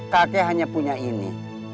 kakek hanya punya ini